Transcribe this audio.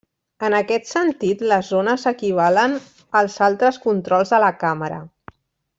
En aquest sentit, les zones equivalen als altres controls de la càmera.